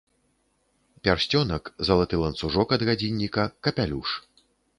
Пярсцёнак, залаты ланцужок ад гадзінніка, капялюш.